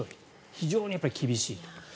非常に厳しいと。